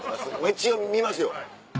一応見ますよ。